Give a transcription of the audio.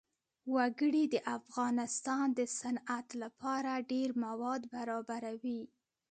وګړي د افغانستان د صنعت لپاره ډېر مواد برابروي.